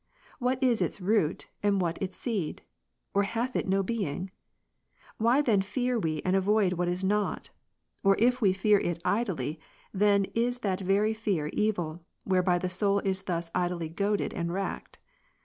What is its root, and what its seed ? Or hath it no being ? Why then fear we and avoid what is not ? Or if we fear it idly, then is that very fear evil, whereby the soul isthus idly goaded and racked.